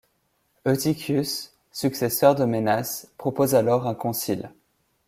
Eutychius, successeur de Mennas, propose alors un concile.